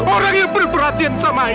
orang yang berperhatian sama